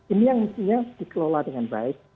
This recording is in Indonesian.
ini yang mestinya dikelola dengan baik